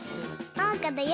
おうかだよ！